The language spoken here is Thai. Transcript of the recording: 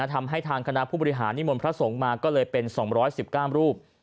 ทำให้ทางคณะผู้บริหารนิมนต์พระสงฆ์มาก็เลยเป็น๒๑๙รูป